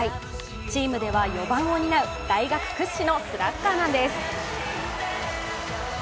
チームでは４番を担う大学屈指のスラッガーなんです。